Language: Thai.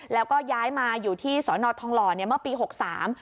แล้วก็ย้ายมาอยู่ที่สอนอทองหล่อเนี่ยเมื่อปีหกสาม